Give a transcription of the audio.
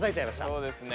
そうですね。